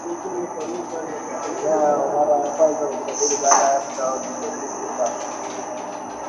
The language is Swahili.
wa Kyiv kwa mara ya kwanza Jumapili baada ya muda wa wiki tatu